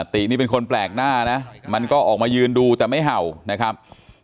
ตินี่เป็นคนแปลกหน้านะมันก็ออกมายืนดูแต่ไม่เห่านะครับ